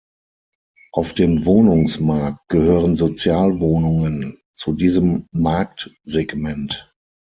Auf dem Wohnungsmarkt gehören Sozialwohnungen zu diesem Marktsegment.